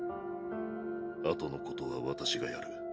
後のことは私がやる。